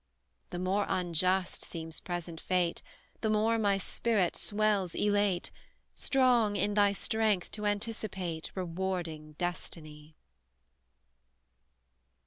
The more unjust seems present fate, The more my spirit swells elate, Strong, in thy strength, to anticipate Rewarding destiny!